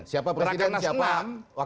siapa presiden siapa